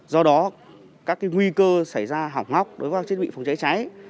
do đó các nguy cơ xảy ra hỏng ngóc đối với các thiết bị phòng cháy cháy